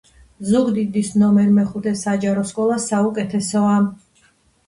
ზუგდიდის ნომერ მეხუთე საჯარო სკოლა საუკეთესოა